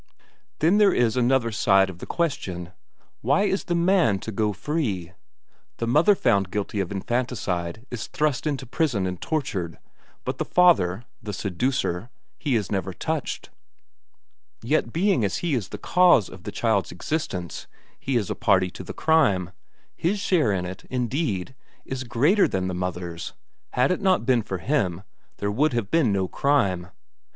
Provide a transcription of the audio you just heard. "Then there is another side of the question. Why is the man to go free? The mother found guilty of infanticide is thrust into prison and tortured, but the father, the seducer, he is never touched. Yet being as he is the cause of the child's existence, he is a party to the crime; his share in it, indeed, is greater than the mother's; had it not been for him, there would have been no crime.